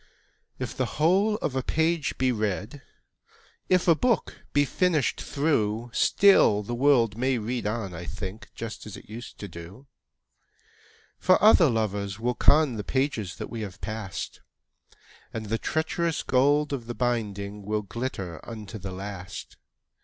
II. If the whole of a page be read, If a book be finished through, Still the world may read on, I think, Just as it used to do; For other lovers will con The pages that we have passed, And the treacherous gold of the binding Will glitter unto the last.